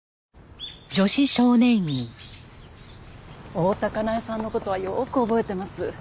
大多香苗さんの事はよく覚えてます。